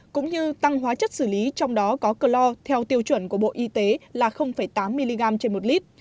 cũng như tăng hóa chất xử lý trong đó có clor theo tiêu chuẩn của bộ y tế là tám mg trên một lít